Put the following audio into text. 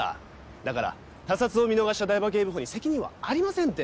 だから他殺を見逃した台場警部補に責任はありませんって。